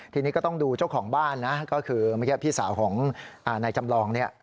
ทีนี้ก็ต้องดูเจ้าของบ้านนะก็คือเมื่อกี้พี่สาวของนายจำลองเนี่ย